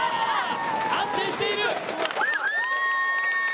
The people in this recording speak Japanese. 安定している。